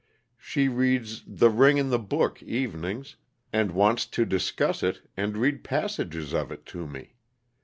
She reads 'The Ring and the Book' evenings, and wants to discuss it and read passages of it to me.